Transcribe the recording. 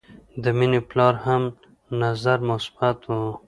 د مینې پلار هم نظر مثبت و